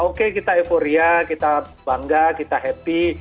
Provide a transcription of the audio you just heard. oke kita euforia kita bangga kita happy